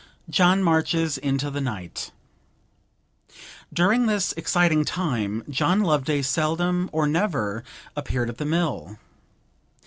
JOHN MARCHES INTO THE NIGHT During this exciting time John Loveday seldom or never appeared at the mill.